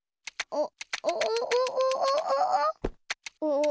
あっ！